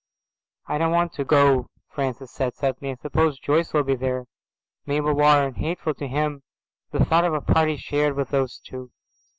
"I don't want to go," Francis said suddenly. "I suppose Joyce will be there Â… Mabel Warren." Hateful to him, the thought of a party shared with those two.